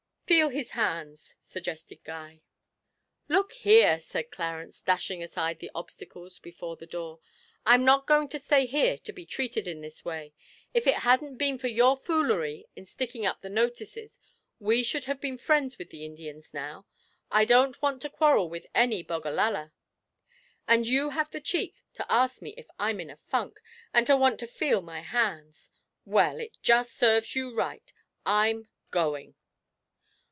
'Feel his hands,' suggested Guy. 'Look here,' said Clarence, dashing aside the obstacles before the door, 'I'm not going to stay here to be treated in this way. If it hadn't been for your foolery in sticking up the notices we should have been friends with the Indians now. I don't want to quarrel with any Bogallala. And you have the cheek to ask me if I'm in a funk, and to want to feel my hands. Well, it just serves you right I'm going.'